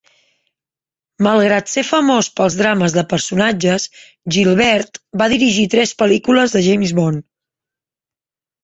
Malgrat ser famós pels drames de personatges, Gilbert va dirigir tres pel·lícules de James Bond.